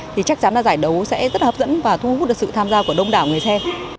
thì chắc chắn là giải đấu sẽ rất là hấp dẫn và thu hút được sự tham gia của đông đảo người xem